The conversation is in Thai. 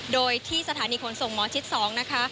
โดยที่สถานีขนส่งหมอชิด๒นะคะ